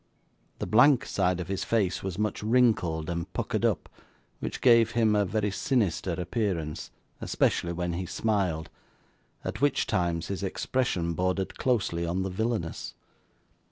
The blank side of his face was much wrinkled and puckered up, which gave him a very sinister appearance, especially when he smiled, at which times his expression bordered closely on the villainous.